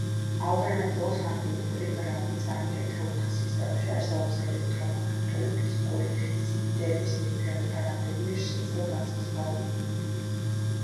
ალტერნატიულ სანტიმეტრი-გრამი-წამი ერთეულთა სისტემაში არსებობს ელექტრომაგნიტური ფიზიკური სიდიდეების ერთეულთა რამდენიმე შესაძლო განსაზღვრება.